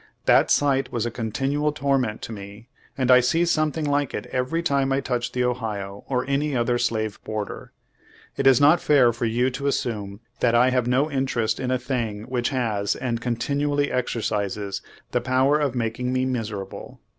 That sight was a continual torment to me, and I see something like it every time I touch the Ohio or any other slave border. It is not fair for you to assume that I have no interest in a thing which has, and continually exercises, the power of making me miserable."